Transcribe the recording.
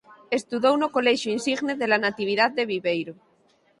Estudou no Colexio Insigne de la Natividad de Viveiro.